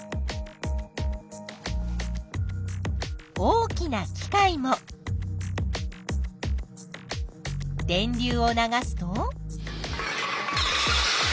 大きな機械も電流を流すと？